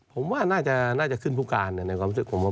ผมว่าน่าจะขึ้นผู้การผมมองกันนะ